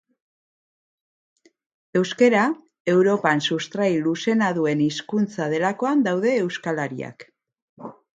Euskara Europan sustrai luzeena duen hizkuntza delakoan daude euskalariak